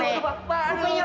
apaan itu mah kemaren